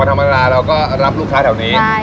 ธรรมดาเราก็รับลูกค้าแถวนี้